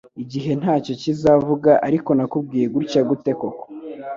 Igihe ntacyo kizavuga ariko nakubwiye gutya gute koko